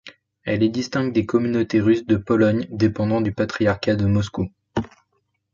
Elle est distincte des communautés russes de Pologne dépendant du patriarcat de Moscou.